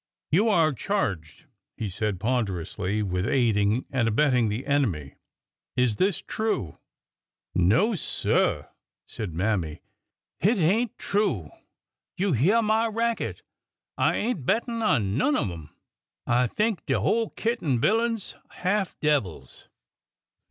You are charged," he said ponderously, '' with aid ing and abetting the enemy. Is this true?" No, sir !" said Mammy ; hit ain't true ! You hyeah my racket, I ain't bettin' on none of 'em. I think de whole kit an' bilin' 's half devils